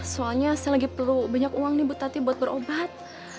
soalnya saya lagi perlu banyak uang nih bu tati buat berobat